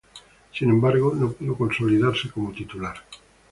Sin embargo, no pudo consolidarse como titular.